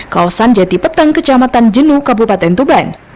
kawasan jati petang kecamatan jenu kabupaten tuban